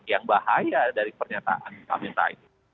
yang bahaya dari pernyataan pak amin raiz